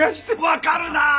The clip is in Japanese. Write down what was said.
分かるなあ。